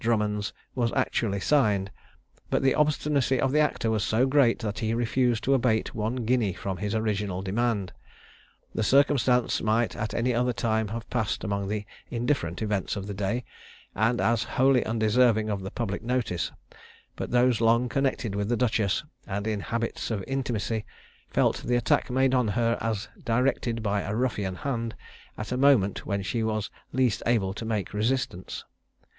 Drummond's was actually signed; but the obstinacy of the actor was so great, that he refused to abate one guinea from his original demand. The circumstance might at any other time have passed among the indifferent events of the day, and as wholly undeserving of the public notice; but those long connected with the duchess, and in habits of intimacy, felt the attack made on her as directed by a ruffian hand, at a moment when she was least able to make resistance.